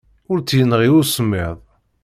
Ur tt-yenɣi usemmiḍ.